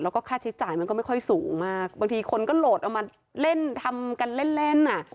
แล้วก็ค่าใช้จ่ายมันก็ไม่ค่อยสูงมากบางทีคนก็โหลดเอามาเล่นทำกันเล่นเล่นอ่ะ